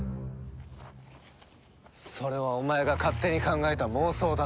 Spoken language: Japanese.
それはお前が勝手に考えた妄想だろ。